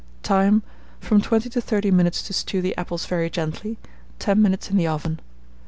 Time. From 20 to 30 minutes to stew the apples very gently, 10 minutes in the oven.